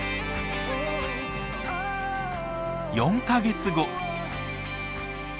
４か月後。